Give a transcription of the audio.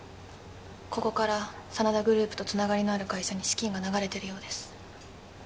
ここから真田グループとつながりのある会社に資金が流れてるようです